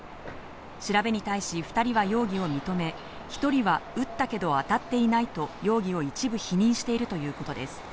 調べに対し２人は容疑を認め、１人は撃ったけど当たっていないと容疑を一部否認しているということです。